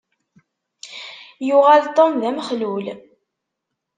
Yuɣal Tom d amexlul.